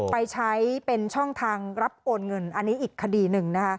ไปใช้เป็นช่องทางรับโอนเงินอันนี้อีกคดีหนึ่งนะคะ